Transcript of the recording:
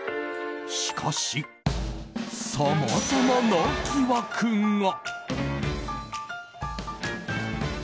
しかし、さまざまな疑惑が。